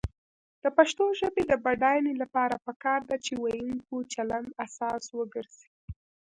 د پښتو ژبې د بډاینې لپاره پکار ده چې ویونکو چلند اساس وګرځي.